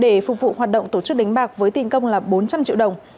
để phục vụ hoạt động tổ chức đánh bạc với tiền công là bốn trăm linh triệu đồng